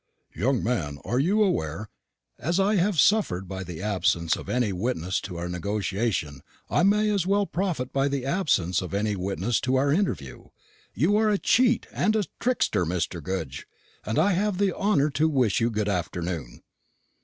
"Young man, are you aware ?" "As I have suffered by the absence of any witness to our negotiation, I may as well profit by the absence of any witness to our interview. You are a cheat and a trickster, Mr. Goodge, and I have the honour to wish you good afternoon!"